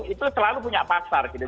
itu selalu punya pasar gitu